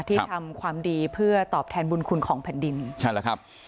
ที่ทำความดีเพื่อตอบแทนบุญคุณของแผ่นดินใช่แล้วครับ